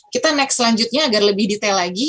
kita next selanjutnya agar lebih detail lagi